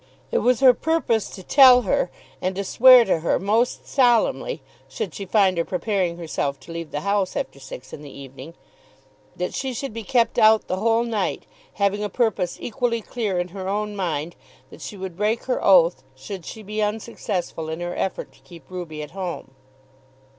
It was her purpose to tell her and to swear to her most solemnly, should she find her preparing herself to leave the house after six in the evening, that she should be kept out the whole night, having a purpose equally clear in her own mind that she would break her oath should she be unsuccessful in her effort to keep Ruby at home.